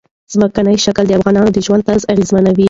ځمکنی شکل د افغانانو د ژوند طرز اغېزمنوي.